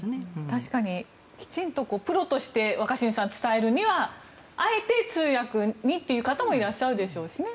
確かにきちんとプロとして伝えるにはあえて通訳にという方もいらっしゃるでしょうしね。